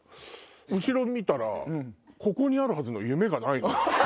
後ろ見たらここにあるはずの「夢」がないの。